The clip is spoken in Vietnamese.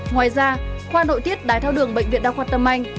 ngoài ra khoa nội tiết đáy tháo đường bệnh viện đào khoa tâm anh